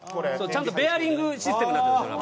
ちゃんとベアリングシステムになってるんですよ。